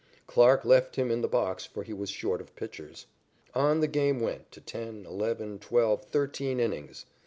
Clarke left him in the box, for he was short of pitchers. On the game went to ten, eleven, twelve, thirteen, innings.